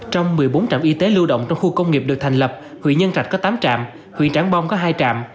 trong một mươi bốn trạm y tế lưu động trong khu công nghiệp được thành lập huyện nhân trạch có tám trạm huyện trảng bom có hai trạm